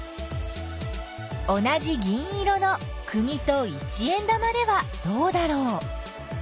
同じ銀色のくぎと一円玉ではどうだろう。